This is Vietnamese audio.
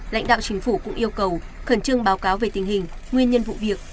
lãnh đạo chính phủ cũng yêu cầu khẩn trương báo cáo về tình hình nguyên nhân vụ việc